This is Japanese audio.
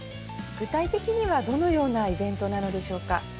具体的にはどのようなイベントなのでしょうか？